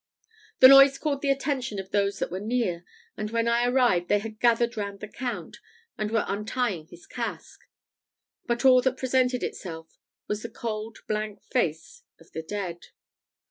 The noise called the attention of those that were near; and when I arrived they had gathered round the Count, and were untying his casque; but all that presented itself was the cold blank face of the dead.